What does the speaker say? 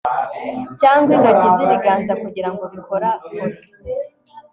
cyangwa intoki z'ibiganza kugira ngo bikorakore